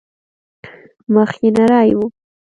مخ يې نرى و.